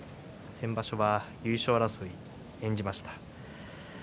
先場所は優勝争い演じました。